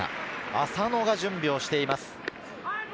浅野が準備をしています。